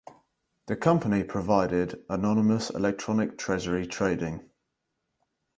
The company provided anonymous electronic Treasury trading.